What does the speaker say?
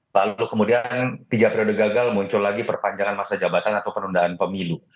lalu kemudian tiga periode gagal muncul lagi perpanjangan masa jabatan atau penundaan pemilu